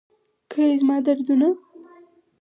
که یې زما دردونه